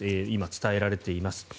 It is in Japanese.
今、伝えられています。